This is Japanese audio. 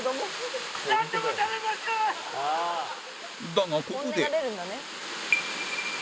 だがここで